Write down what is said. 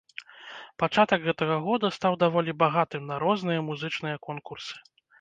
Пачатак гэтага года стаў даволі багатым на розныя музычныя конкурсы.